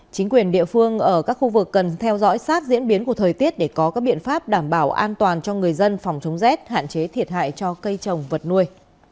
chính quyền địa phương ở các khu vực cần theo dõi sát diễn biến của thời tiết để có các biện pháp đảm bảo an toàn cho người dân phòng chống rét hạn chế thiệt hại cho cây trồng vật nuôi